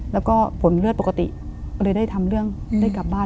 แล้วก็ผลเลือดปกติก็เลยได้ทำเรื่องได้กลับบ้าน